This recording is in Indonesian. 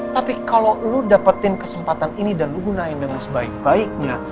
tapi kalau lo dapetin kesempatan ini dan lu gunain dengan sebaik baiknya